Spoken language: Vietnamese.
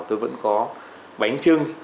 tôi vẫn có bánh trưng